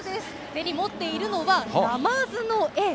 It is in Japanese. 手に持っているのはなまずの絵。